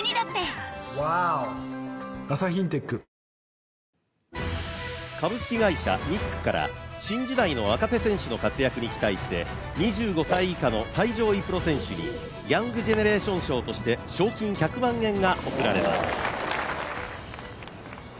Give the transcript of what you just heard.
ＳＭＢＣ日興証券株式会社ミックから、新時代の若手選手の活躍に期待して、２５歳以下の最上位プロ選手にヤングジェネレーション賞として賞金１００万円が贈られます。